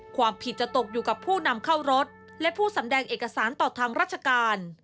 ความผิดจะตกอยู่กับผู้นำเข้ารถและผู้สำแดงเอกสารต่อทางราชการ